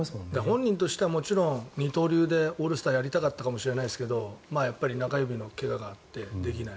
本人としてはもちろん二刀流でオールスターやりたかったかもしれないですが中指の怪我があってできない。